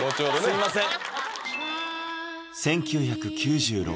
すいません